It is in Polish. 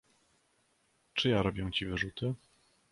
"Czy ja robię ci wyrzuty?..."